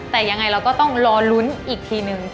แต่ยังไงเราก็ต้องรอลุ้นอีกทีนึง